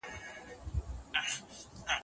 آیا د مور خواړه تر هوټل خواړو پاک دي؟